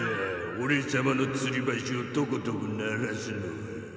おれさまのつりばしをトコトコならすのは。